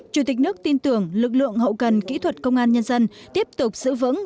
chủ tịch nước tin tưởng lực lượng hậu cần kỹ thuật công an nhân dân tiếp tục giữ vững